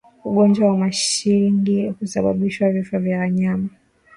Ugonjwa wa mashingi husababisha vifo kwa wanyama